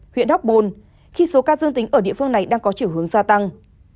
huyện hóc bồn khi số ca dương tính ở địa phương này đang có chiều hướng gia tăng